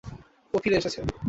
ও ফিরে এসেছে!